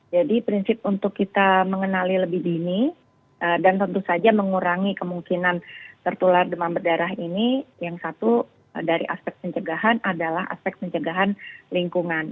jadi prinsip untuk kita mengenali lebih dini dan tentu saja mengurangi kemungkinan tertular demam berdarah ini yang satu dari aspek pencegahan adalah aspek pencegahan lingkungan